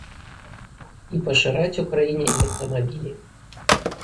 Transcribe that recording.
І пашыраць у краіне электрамабілі.